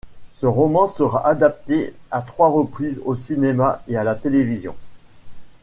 Ce roman sera adapté à trois reprises au cinéma et à la télévision.